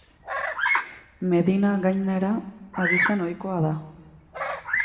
Medina gainera abizen ohikoa da.